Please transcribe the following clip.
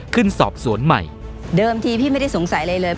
ขึ้นสอบสวนใหม่เดิมทีพี่ไม่ได้สงสัยอะไรเลย